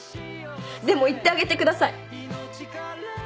でも言ってあげてください。